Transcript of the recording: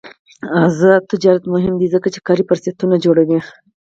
آزاد تجارت مهم دی ځکه چې کاري فرصتونه جوړوي.